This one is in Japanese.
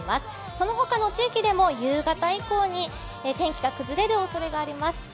そのほかの地域でも夕方以降に天気が崩れるおそれがあります。